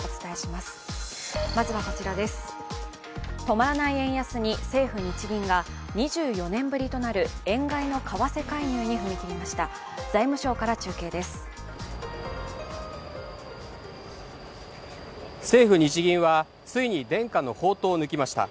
まずは、止まらない円安に政府・日銀が２４年ぶりとなる円買いの為替介入に踏み切りました。